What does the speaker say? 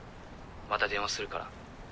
また電話するから。